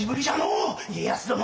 家康殿。